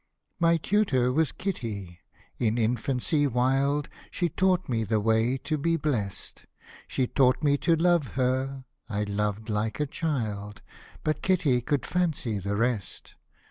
My tutor was Kitty ; in infancy wild She taught me the way to be blest ; She taught me to love her, I loved like a child. But Kitty could fancy the rest.